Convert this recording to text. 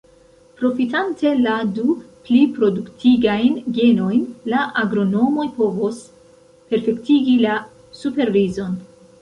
Profitante la du pliproduktigajn genojn, la agronomoj povos perfektigi la superrizon.